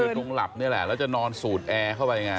ปัญหาคือตรงหลับนี่แหละแล้วจะนอนสูดแอเข้าไปไง